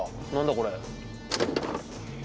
これ。